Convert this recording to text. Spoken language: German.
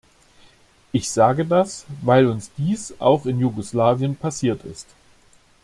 Ich sage das, weil uns dies auch in Jugoslawien passiert ist.